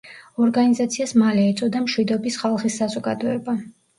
ორგანიზაციას მალე ეწოდა „მშვიდობის ხალხის საზოგადოება“.